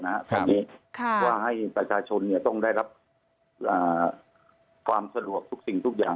อันนี้ว่าให้ประชาชนต้องได้รับความสะดวกทุกสิ่งทุกอย่าง